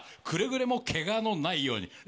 くれぐれもけがのないように。